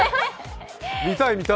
見たい、見たい。